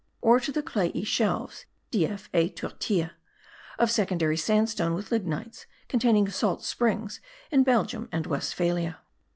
or to the clayey shelves (dief et tourtia) of secondary sandstone with lignites, containing salt springs, in Belgium and Westphalia.